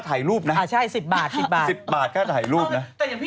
๑นิดนึงแม่ค้าเก็บบันค่าถ่ายรูปนะ